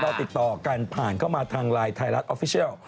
ติดต่อกันผ่านเข้ามาทางไลน์ไทยรัฐออฟฟิเชียล